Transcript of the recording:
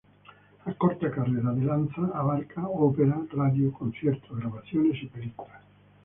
La corta carrera de Lanza abarca ópera, radio, conciertos, grabaciones y películas.